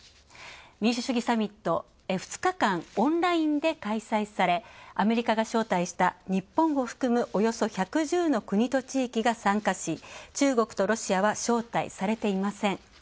民主主義サミット、２日間オンラインで開催され、アメリカが招待した日本を含む、およそ１１０の国と地域が参加し、中国とロシアは招待されていません。